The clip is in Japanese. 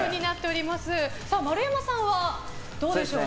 丸山さんはどうでしょうか。